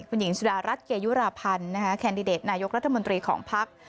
คุณหญิงสุดารัฐเกยุราพันธ์แคนดิเดตนายกรัฐมนตรีของภักดิ์